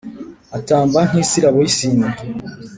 atamba nk’isirabo y’isine